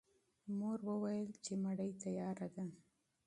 مور وویل چې ډوډۍ چمتو ده.